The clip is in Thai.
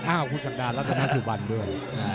อ้าวคุณศักดารัฐนาสุวรรณด้วย